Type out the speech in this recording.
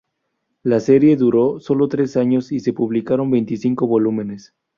La serie duró solo tres años y se publicaron veinticinco volúmenes.